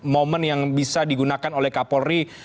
momen yang bisa digunakan oleh kak polri